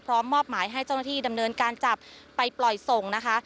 มอบหมายให้เจ้าหน้าที่ดำเนินการจับไปปล่อยส่งนะคะ